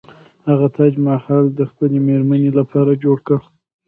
هغه تاج محل د خپلې میرمنې لپاره جوړ کړ.